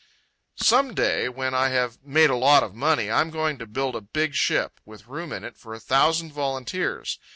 Some day, when I have made a lot of money, I'm going to build a big ship, with room in it for a thousand volunteers.